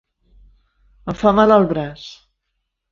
Em fa mal al braç.